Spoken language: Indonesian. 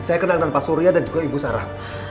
saya kenangan pak surya dan juga ibu sarah